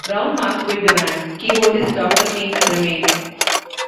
Brown Mark quit the band; keyboardist Doctor Fink remained.